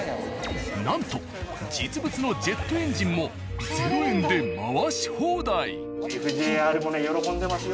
なんと実物のジェットエンジンも０円で回し放題。